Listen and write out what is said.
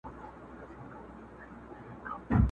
چي شریک یې په قدرت سي په ښکارونو،